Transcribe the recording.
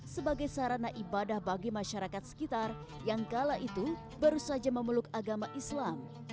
sebagai sarana ibadah bagi masyarakat sekitar yang kala itu baru saja memeluk agama islam